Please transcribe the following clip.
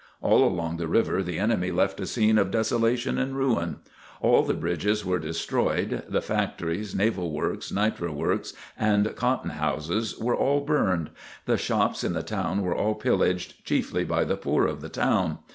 All along the river, the enemy left a scene of desolation and ruin. All the bridges were destroyed. The factories, naval works, nitre works, and cotton houses, were all burned. The shops in the town were all pillaged chiefly by the poor of the town.